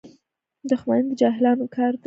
• دښمني د جاهلانو کار دی.